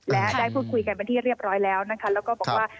และได้พูดคุยกันเป็นที่เรียบร้อยแล้วนะคะแล้วก็บอกว่า